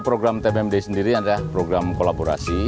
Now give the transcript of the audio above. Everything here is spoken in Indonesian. program tbmd sendiri adalah program kolaborasi